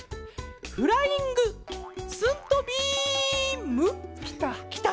フライング・スントビーム？きた。